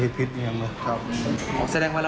กลับไปบ้านกับเขาก็